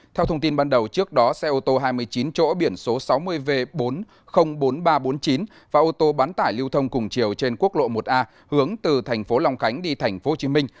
theo thông tin ban đầu trước đó xe ô tô hai mươi chín chỗ biển số sáu mươi v bốn trăm linh bốn nghìn ba trăm bốn mươi chín và ô tô bán tải lưu thông cùng chiều trên quốc lộ một a hướng từ thành phố long khánh đi thành phố hồ chí minh